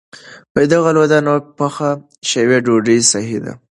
د غلو- دانو پخه شوې ډوډۍ صحي ده.